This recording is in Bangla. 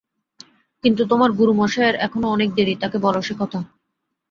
কিন্তু তোমার গুরুমশায়ের এখনও অনেক দেরী, তাঁকে বল সে-কথা।